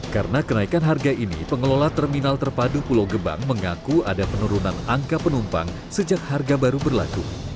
karena kenaikan harga ini pengelola terminal terpadu pulau gebang mengaku ada penurunan angka penumpang sejak harga baru berlaku